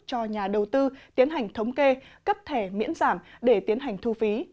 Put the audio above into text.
cho nhà đầu tư tiến hành thống kê cấp thẻ miễn giảm để tiến hành thu phí